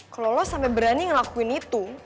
kalau lo sampe berani ngelakuin itu